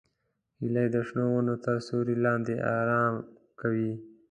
هیلۍ د شنو ونو تر سیوري لاندې آرام کوي